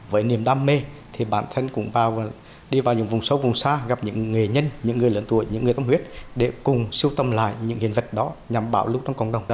với niềm đam mê thì bản thân cũng đi vào những vùng sâu vùng xa gặp những nghệ nhân những người lớn tuổi những người tâm huyết để cùng siêu tầm lại những hiện vật đó nhằm bảo lưu trong cộng đồng